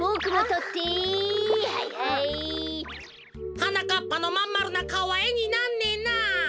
はなかっぱのまんまるなかおはえになんねえな。